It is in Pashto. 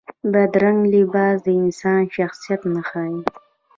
بدرنګه لباس د انسان شخصیت نه ښيي